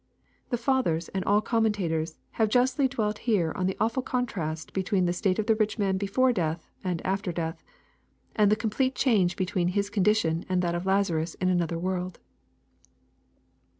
] The fathers, and all com mentators have justly dwelt here on the awful contrast between the state of the rich man before death and after death, and the complete change between his condition and that of Lazarus in another world.